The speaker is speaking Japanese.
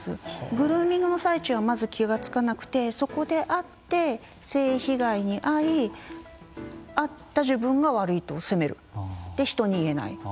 グルーミングの最中はまず気がつかなくてそこで会って性被害に遭いあった自分が悪いと責める人に言えない。